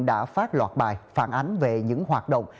đã phát loạt bài phản ánh về những hoạt động